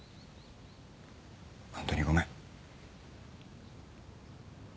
本当にごめん。